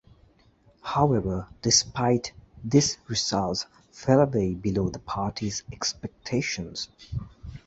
However, despite this results fell way below the party's expectations.